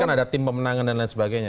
kan ada tim pemenangan dan lain sebagainya